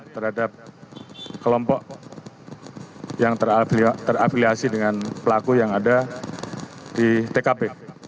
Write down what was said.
terhadap kelompok yang terafiliasi dengan pelaku yang ada di tkp